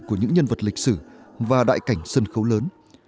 của những nhân vật lịch sử và đại cảnh sân khấu lớn